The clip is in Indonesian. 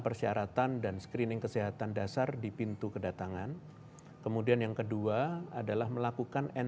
perjalanan jika hasil kedua